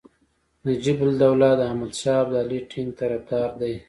نجیب الدوله د احمدشاه ابدالي ټینګ طرفدار دی.